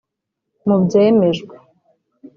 Mu byemejwe